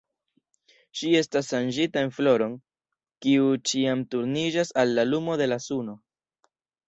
Ŝi estis ŝanĝita en floron, kiu ĉiam turniĝas al la lumo de la suno.